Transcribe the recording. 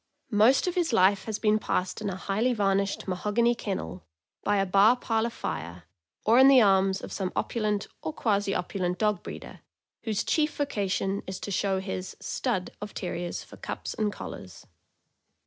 Most of his life has been passed in a highly varnished mahogany kennel, by a bar parlor fire, or in the arms of some opulent or quasi opulent dog breeder, whose chief voca tion is to show his '' stud " of Terriers for cups and collars.